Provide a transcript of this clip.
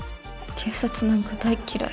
警察なんか大嫌い。